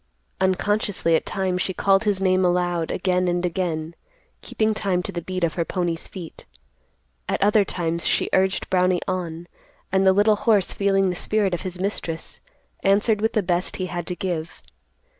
Unconsciously, at times, she called his name aloud again and again, keeping time to the beat of her pony's feet. At other times she urged Brownie on, and the little horse, feeling the spirit of his mistress, answered with the best he had to give.